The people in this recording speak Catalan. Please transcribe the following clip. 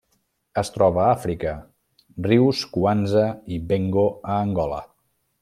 Es troba a Àfrica: rius Cuanza i Bengo a Angola.